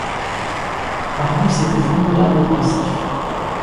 Marius était formidable et pensif.